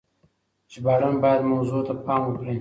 ژباړن بايد موضوع ته پام وکړي.